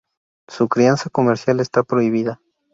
Su crianza comercial está prohibida.